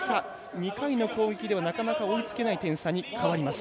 ２回の攻撃ではなかなか追いつけない点差に変わります。